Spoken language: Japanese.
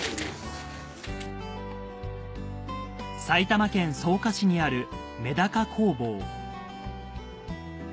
埼玉県草加市にあるめだか工房